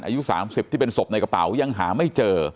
อายุ๓๐ที่เป็นศพในกระเป๋ายังหาไม่เจอ